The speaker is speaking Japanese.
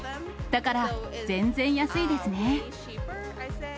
だから、全然安いですね。